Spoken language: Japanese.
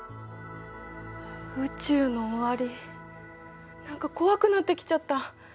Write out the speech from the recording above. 宇宙の終わり何か怖くなってきちゃった。